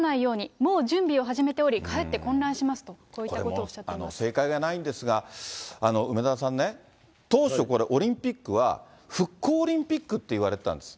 もう準備を始めており、かえって混乱しますと、こういったことを正解がないんですが、梅沢さんね、当初、これオリンピックは復興オリンピックって言われてたんです。